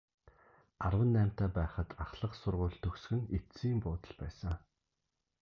Арван наймтай байхад ахлах сургууль төгсөх нь эцсийн буудал байсан.